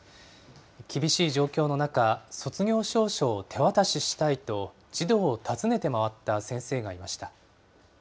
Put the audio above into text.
厳しい状況の中、卒業証書を手渡ししたいと、児童を訪ねて回った先生がいました。